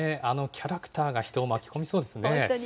あのキャラクターが人を巻き込みそうですね。